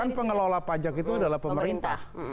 kan pengelola pajak itu adalah pemerintah